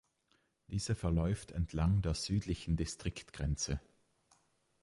Diese verläuft entlang der südlichen Distriktgrenze.